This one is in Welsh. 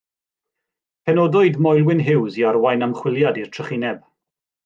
Penodwyd Moelwyn Hughes i arwain ymchwiliad i'r trychineb.